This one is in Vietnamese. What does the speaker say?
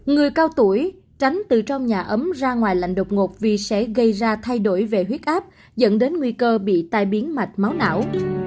người cao tuổi tránh từ trong nhà ấm ra ngoài lạnh đột ngột vì sẽ gây ra thay đổi về huyết áp dẫn đến nguy cơ bị tai biến mạch máu não